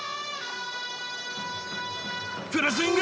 フルスイング！